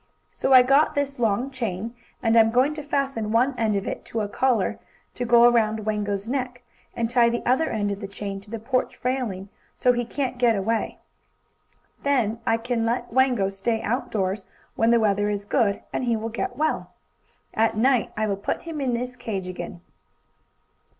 "So I got this long chain, and I'm going to fasten one end of it to a collar, to go around Wango's neck, and tie the other end of the chain to the porch railing, so he can't get away. Then I can let Wango stay outdoors when the weather is good, and he will get well. At night I will put him in his cage again."